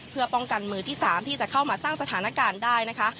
เพื่อป้องกันมือที่๓ที่จะเข้ามาสร้างสถานการณ์ได้นะคะ